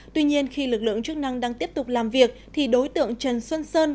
tuy nhiên khi lực lượng chức năng đang tiếp tục làm việc thì đối tượng trần xuân sơn